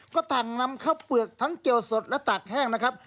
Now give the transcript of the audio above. ก็ต่างนำข้าวเปลือกทั้งเกี่ยวสดและตากแห้งนะครับ